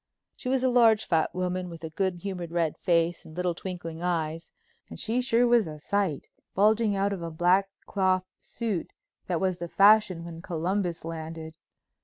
She was a large, fat woman with a good humored red face and little twinkling eyes, and she sure was a sight, bulging out of a black cloth suit that was the fashion when Columbus landed.